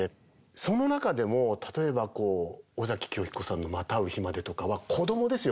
その中でも例えば尾崎紀世彦さんの「またう日まで」とかは子供ですよ